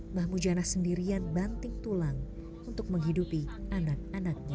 mbah mujana sendirian banting tulang untuk menghidupi anak anaknya